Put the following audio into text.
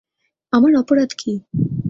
আমার অপরাধ কী?